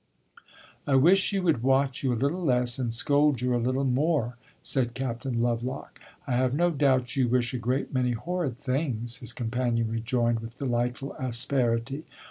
"I wish she would watch you a little less and scold you a little more," said Captain Lovelock. "I have no doubt you wish a great many horrid things," his companion rejoined, with delightful asperity.